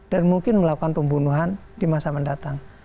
dan mungkin melakukan pembunuhan di masa mendatang